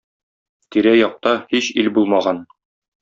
Тирә-якта һич ил булмаган.